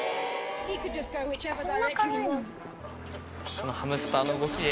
このハムスターの動きで。